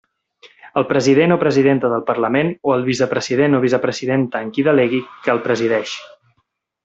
El president o presidenta del Parlament, o el vicepresident o vicepresidenta en qui delegui, que el presideix.